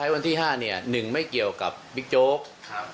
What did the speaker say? วันที่ห้าเนี่ยหนึ่งไม่เกี่ยวกับบิ๊กโจ๊กครับ